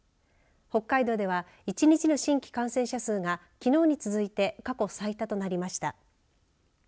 北海道では１日の新規感染者数がきのうに続いて過去最多となりました。